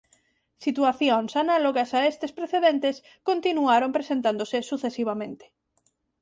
Situacións análogas a estes precedentes continuaron presentándose sucesivamente.